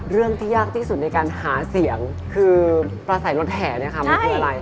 เรื่องที่ยากที่สุดในการหาเสียงคือประสัยรถแห่เนี่ยค่ะมันคืออะไร